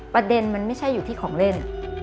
ประเด็นมันไม่ใช่อยู่ที่ของเล่น